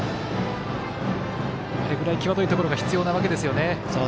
あれぐらい際どいところが必要なわけですよね。